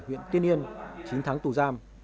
huyện tiên yên chín tháng tù giam